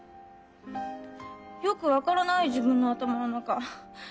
よく分からない自分の頭の中。